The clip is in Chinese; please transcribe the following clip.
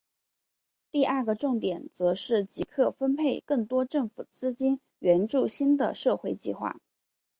第二个重点则是即刻分配更多政府资金援助新的社会计画。